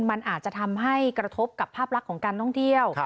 มันอาจจะทำให้กระทบกับภาพลักษณ์ของการท่องเที่ยว